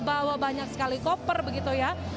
bawa banyak sekali koper begitu ya